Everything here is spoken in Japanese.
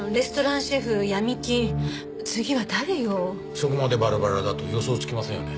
そこまでバラバラだと予想つきませんよね。